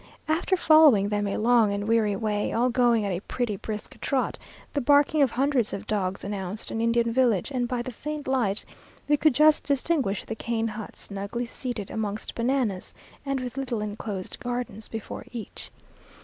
After following them a long and weary way, all going at a pretty brisk trot, the barking of hundreds of dogs announced an Indian village, and by the faint light we could just distinguish the cane huts snugly seated amongst bananas and with little enclosed gardens before each.